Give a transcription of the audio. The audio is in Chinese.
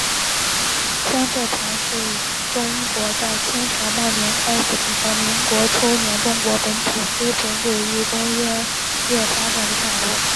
江浙财团是中国在清朝末年开阜和民国初年中国本土资本主义工商业发展的产物。